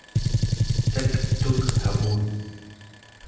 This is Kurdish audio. tek tuk hebûn